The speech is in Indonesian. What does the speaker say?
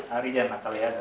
ari jangan nakal ya